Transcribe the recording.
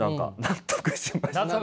納得しました？